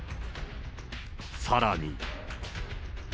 さらに。